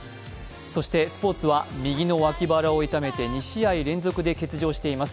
そしてスポーツは右の脇腹を痛めて２試合連続で欠場しています